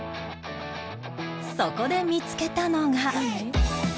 そこで見つけたのが